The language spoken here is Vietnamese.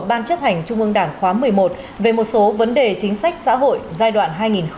ban chấp hành trung ương đảng khóa một mươi một về một số vấn đề chính sách xã hội giai đoạn hai nghìn một mươi sáu hai nghìn hai mươi